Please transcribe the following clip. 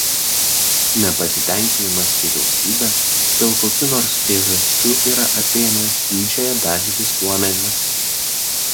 Nepasitenkinimas vyriausybe dėl kokių nors priežasčių yra apėmęs didžiąją dalį visuomenės.